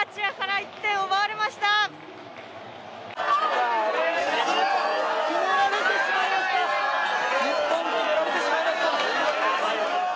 日本、決められてしまいました。